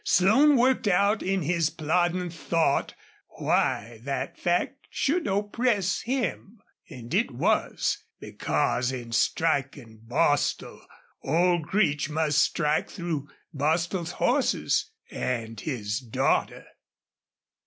Slone worked out in his plodding thought why that fact should oppress him; and it was because in striking Bostil old Creech must strike through Bostil's horses and his daughter.